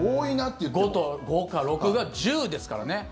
５か６が１０ですからね。